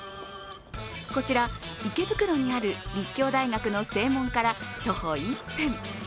こちら池袋にある立教大学の正門から徒歩１分。